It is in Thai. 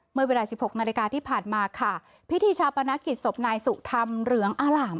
เวลาสิบหกนาฏการย์ที่ผ่านมาค่ะพิธีชาปนาคิตสบนายสุธรรมเหลืองอาหล่าม